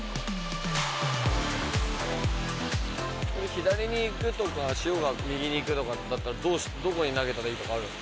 左に行くとか潮が右に行くとかだったらどこに投げたらいいとかあるんですか？